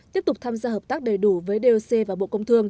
tiếp tục tham gia hợp tác đầy đủ với doc và bộ công thương